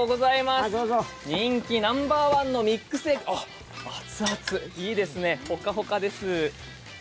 人気ナンバーワンの、熱々、いいですねほかほかです。